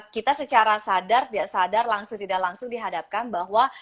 kita secara sadar tidak sadar langsung tidak langsung dihadapkan bahwa